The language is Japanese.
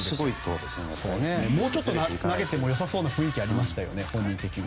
もうちょっと投げてもよさそうな雰囲気ありましたよね。